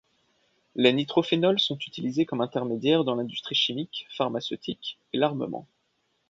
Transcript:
Les nitrophénols sont utilisés comme intermédiaires dans l'industrie chimique, pharmaceutique et l'armement.